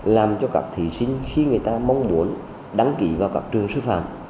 làm cho các thí sinh khi người ta mong muốn đăng ký vào các trường sư phạm